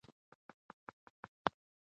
نه تا خپل جلاد په رنګ دی پیژندلی